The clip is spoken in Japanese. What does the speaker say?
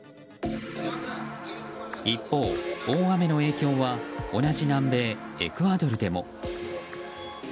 一方、大雨の影響は同じ南米エクアドルでも。